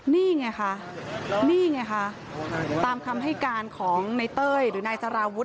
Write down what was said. นี่ไงค่ะนี่ไงคะตามคำให้การของในเต้ยหรือนายสารวุฒิ